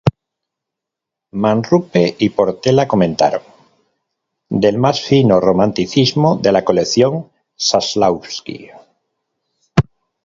Manrupe y Portela comentaron: “Del más fino romanticismo de la colección Saslavsky.